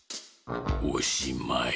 おしまい。